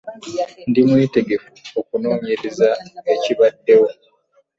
Ndi mwetegefu okunonyereza ekibadewo.